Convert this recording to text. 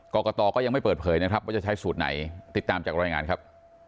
กรกตก็ยังไม่เปิดเผยนะครับว่าจะใช้สูตรไหนติดตามจากรายงานครับ